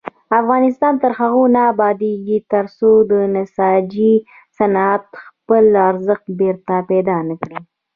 افغانستان تر هغو نه ابادیږي، ترڅو د نساجي صنعت خپل ارزښت بیرته پیدا نکړي.